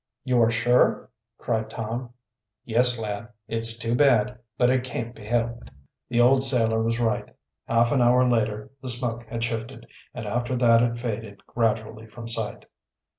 "You are sure?" cried Tom. "Yes, lad. It's too bad, but it can't be helped." The old sailor was right; half an hour later the smoke had shifted, and after that it faded gradually from sight.